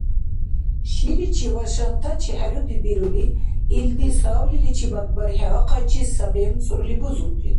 Шиличи ва шантачи хӀеруди бирули, илди савлиличибад бархӀи ахъайчи сабемцӀурли бузулри.